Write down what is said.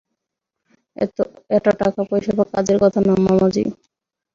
এটা টাকা-পয়সা বা কাজের কথা না, মামাজি।